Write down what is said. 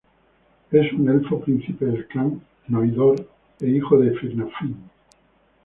Es un elfo, príncipe del clan Noldor e hijo de Finarfin.